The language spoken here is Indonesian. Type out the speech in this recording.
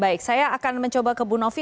baik saya akan mencoba ke bu novi